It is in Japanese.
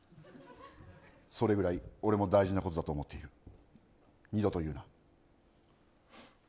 それぐらい俺も大事なことだと思っている。